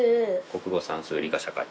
国語算数理科社会。